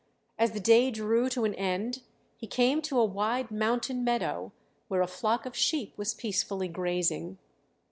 As the day drew to an end he came to a wide mountain meadow where a flock of sheep was peacefully grazing.